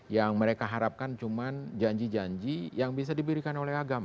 yang mereka harapkan cuma janji janji yang bisa diberikan oleh agama